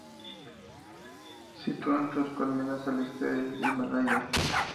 Sitúan sus colmenas al este del Himalaya.